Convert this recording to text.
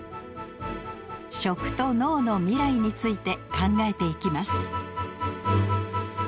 食と農の未来について考えていきます。